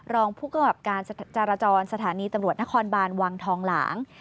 รองผู้กำกับการจราจรสถานีตำรวจนครบานวังทองหลาง